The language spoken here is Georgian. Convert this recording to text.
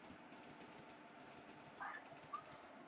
ასე განმეორდა რამდენიმეჯერ.